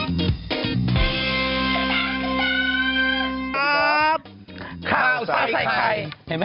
สวัสดีครับข้าวใส่ไข่